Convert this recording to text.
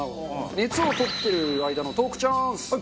熱を取ってる間のトークチャンス！